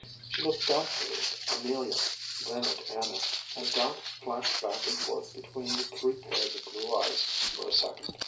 She looked doubtfully at Amelia, then at Anna, and doubt flashed back and forth between the three pairs of blue eyes for a second.